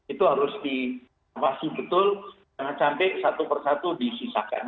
itu harus diawasi betul jangan sampai satu persatu disisakan